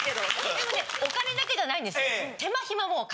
でもお金だけじゃないんです。